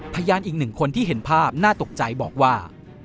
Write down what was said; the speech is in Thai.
พยานอีกหนึ่งคนที่เห็นภาพน่าตกใจบอกว่า